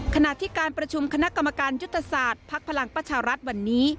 ขณะที่การประชุมคณะกรรมการยุทธศาสตร์ภักดิ์พลังประชารัฐวันนี้